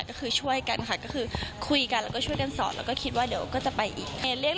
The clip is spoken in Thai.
ก็คือช่วยกันค่ะก็คือคุยกันแล้วก็ช่วยกันสอนแล้วก็คิดว่าเดี๋ยวก็จะไปอีก